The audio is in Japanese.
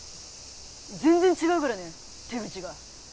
全然違うからね、手口が。